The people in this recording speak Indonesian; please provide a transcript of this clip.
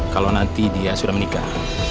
kalau nanti dia sudah menikah